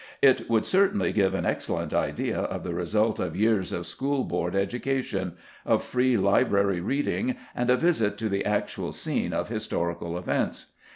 It would certainly give an excellent idea of the result of years of School Board education, of free library reading, and a visit to the actual scene of historic events.